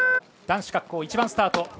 男子滑降、１番スタート